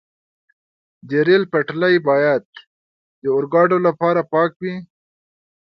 د ریل پټلۍ باید د اورګاډي لپاره پاکه وي.